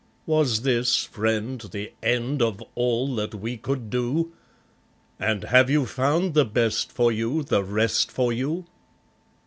Was this, friend, the end of all that we could do? And have you found the best for you, the rest for you?